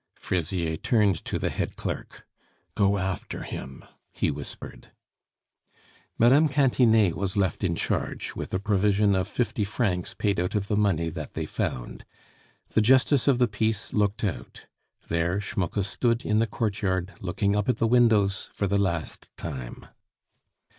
Fraisier turned to the head clerk. "Go after him," he whispered. Mme. Cantinet was left in charge, with a provision of fifty francs paid out of the money that they found. The justice of the peace looked out; there Schmucke stood in the courtyard looking up at the windows for the last time.